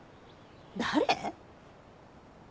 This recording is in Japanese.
誰？